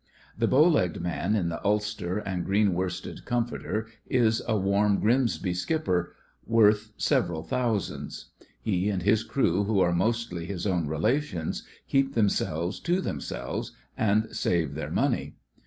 The bow legged man in the ulster and green worsted comforter is a warm Grimsby skipper, worth several thousands. He and his crew, who are mostly his own relations, keep themselves to themselves, and save their money.